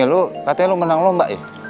lu katanya lu menang lomba ya